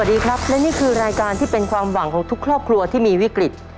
สวัสดีครับและนี่คือรายการที่เป็นความหวังของทุกครอบครัวที่มีวิกฤต